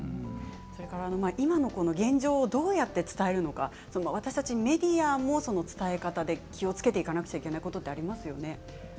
今のこの現状をどうやって伝えるのか私たちメディアも伝え方で気をつけていかなくちゃいけないことってありますよね。